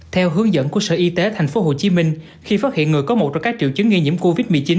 theo hướng dẫn của sở y tế tp hcm khi phát hiện người có một trong các triệu chứng nghi nhiễm covid một mươi chín